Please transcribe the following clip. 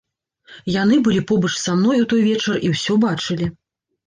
Яны былі побач са мной у той вечар і ўсё бачылі.